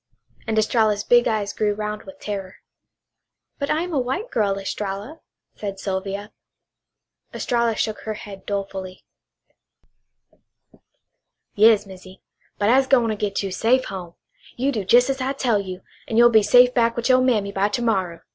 And Estralla's big eyes grew round with terror. "But I am a white girl, Estralla," said Sylvia. Estralla shook her head dolefully. "Yas, Missy. But I'se gwine to git you safe home. You do jes' as I tell you an' you'll be safe back with your mammy by ter morrow!"